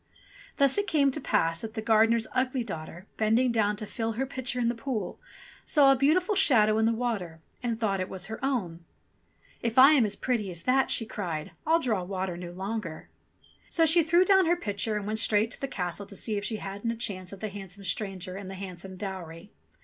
Thus it came to pass that the gardener's ugly daughter, bending down to fill her pitcher in the pool, saw a beautiful shadow in the water, and thought it was her own ! "If I am as pretty as that," she cried, "I'll draw water no longer !" So she threw down her pitcher, and went straight to the castle to see if she hadn't a chance of the handsome stranger and the handsome dowry.